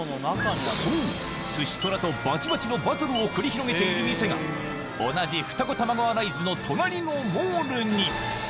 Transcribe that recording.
そう寿司虎とバチバチのバトルを繰り広げている店が同じ二子玉川ライズの隣のモールに！